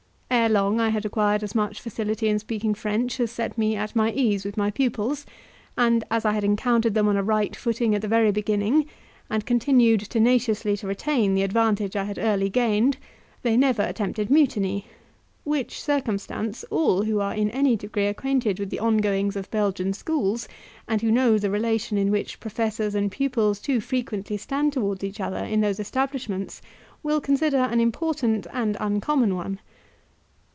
Ere long I had acquired as much facility in speaking French as set me at my ease with my pupils; and as I had encountered them on a right footing at the very beginning, and continued tenaciously to retain the advantage I had early gained, they never attempted mutiny, which circumstance, all who are in any degree acquainted with the ongoings of Belgian schools, and who know the relation in which professors and pupils too frequently stand towards each other in those establishments, will consider an important and uncommon one.